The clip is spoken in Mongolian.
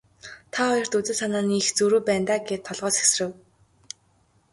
Та хоёрт үзэл санааны их зөрүү байна даа гээд толгой сэгсрэв.